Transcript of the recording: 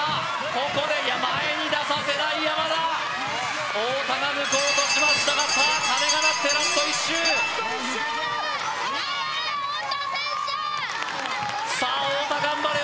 ここでいや前に出させない山田太田が抜こうとしましたがさあ鐘が鳴ってラスト１周さあ太田頑張れ